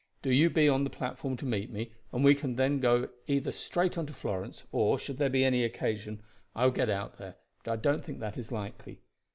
Do you be on the platform to meet me, and we can then either go straight on to Florence, or, should there be any occasion, I will get out there; but I don't think that is likely.